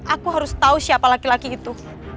aku harus tahu siapa laki laki itu